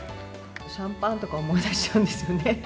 シャンパンとか思い出しちゃうんですよね。